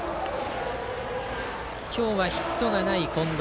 今日はヒットがない近藤。